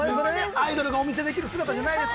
アイドルがお見せできる姿じゃないです。